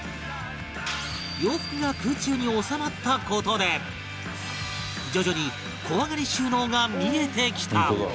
洋服が空中に収まった事で徐々に小上がり収納が見えてきた